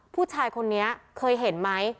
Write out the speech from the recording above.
ผู้ชายคนนี้เคยเห็นไหม